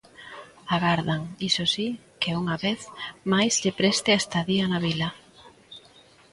Agardan, iso si, que unha vez máis lle preste a estadía na vila.